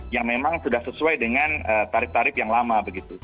yang memang sudah sesuai dengan tarif tarif yang lama begitu